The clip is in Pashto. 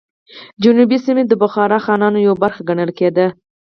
جنوبي سیمه یې د بخارا خانانو یوه برخه ګڼل کېده.